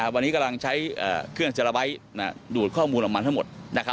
วันนี้กำลังใช้เครื่องเจลบายดูดข้อมูลมันทั้งหมด